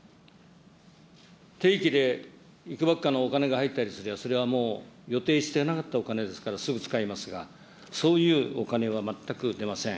定期でいくばくかのお金が入ったりすれば、それはもう予定してなかったお金ですから、すぐ使いますが、そういうお金は全く出ません。